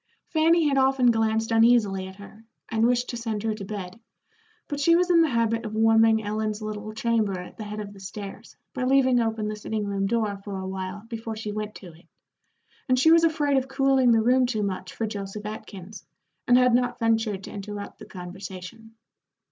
Fanny had often glanced uneasily at her, and wished to send her to bed, but she was in the habit of warming Ellen's little chamber at the head of the stairs by leaving open the sitting room door for a while before she went to it, and she was afraid of cooling the room too much for Joseph Atkins, and had not ventured to interrupt the conversation.